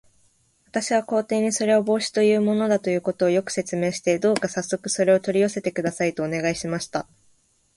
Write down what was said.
私は皇帝に、それは帽子というものだということを、よく説明して、どうかさっそくそれを取り寄せてください、とお願いしました。